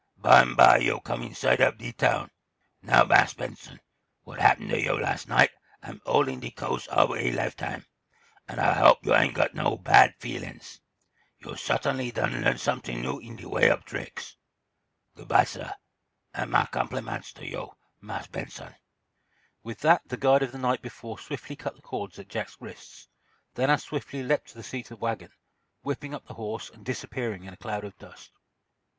"Bimeby yo' come in sight ob de town. Now, Marse Benson, w'at happen to yo' las' night am all in de co'se ob a lifetime, an' Ah hope you ain't got no bad feelin's. Yo' suttinly done learn somet'ing new in de way ob tricks. Good bye, sah, an' mah compliments to yo', Marse Benson." With that the guide of the night before swiftly cut the cords at Jack's wrists, then as swiftly leaped to the seat of the wagon, whipping up the horse and disappearing in a cloud of dust.